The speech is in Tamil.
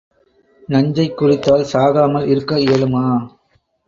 நஞ்சைக் குடித்தால் சாகாமல் இருக்க இயலுமா?